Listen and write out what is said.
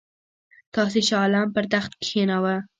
تاسي شاه عالم پر تخت کښېناوه.